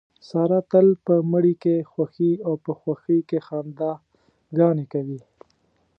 ساره تل په مړي کې خوښي او په خوښۍ کې خندا ګانې کوي.